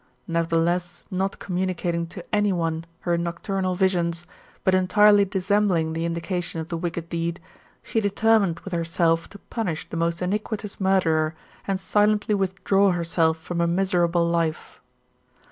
Nevertheless, not communicating to any one her nocturnal visions, but entirely dissembling the indication of the wicked deed, she determined with herself to punish the most iniquitous murderer, and silently withdraw herself from a miserable life.